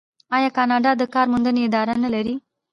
آیا کاناډا د کار موندنې ادارې نلري؟